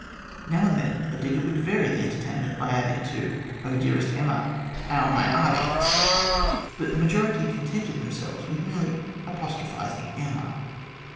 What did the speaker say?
Now and then a digger would vary the entertainment by adding to " Oh, dearest Emma," "} ow my 'art aches," but the majority contented themselves with merely apostrophising Emma.